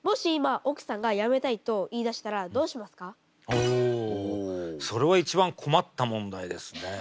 おそれは一番困った問題ですね。